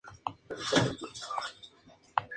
Empezó a salir al exterior como enviada especial.